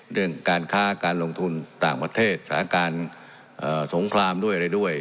เรื่องการค้าการลงทุนต่างประเทศสถานการณ์สงครามด้วยอะไรด้วย